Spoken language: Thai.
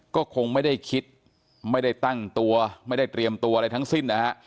ก็คงไม่ได้คิดไม่ได้ตั้งตัวไม่ได้เตรียมตัวอะไรทั้งสิ้นนะฮะ